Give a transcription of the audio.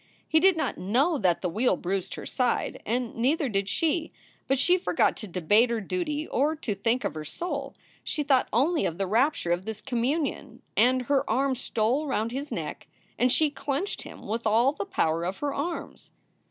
He did not know that the wheel bruised her side, and neither did she. But she forgot to debate her duty or to think of her soul. She thought only of the rapture of this communion, and her arms stole round his neck and she clenched him with all the power of her arms.